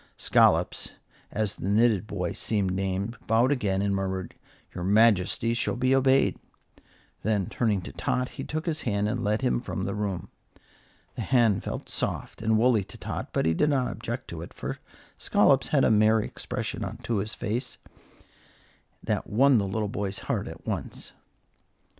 Scollops, as the knitted boy seemed named, bowed again and murmured, "Your Majesty shall be obeyed." Then, turning to Tot, he took his hand and led him from the room. The hand felt soft and woolly to Tot, but he did not object to it, for Scollops had a merry expression to his face that won the little boy's heart at once.